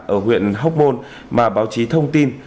ở huyện hóc môn mà báo chí thông tin